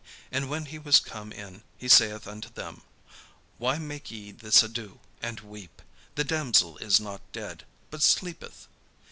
And when he was come in, he saith unto them: "Why make ye this ado, and weep? The damsel is not dead, but sleepeth."